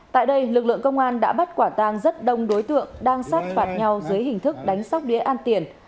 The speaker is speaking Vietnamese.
tại đây lực lượng công an đã bắt quả tang rất đông đối tượng đang sát phạt nhau dưới hình thức đánh sóc đĩa an tiền